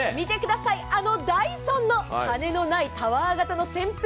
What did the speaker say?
見てください、あのダイソンの羽根のないタワー型です。